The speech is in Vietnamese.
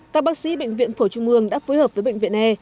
các bác sĩ bệnh viện phổ trung mương đã phối hợp với bệnh viện e